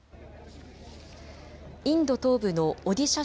インド東部のオディシャ